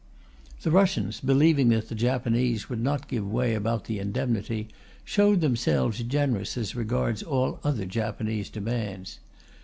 The Russians, believing that the Japanese would not give way about the indemnity, showed themselves generous as regards all other Japanese demands.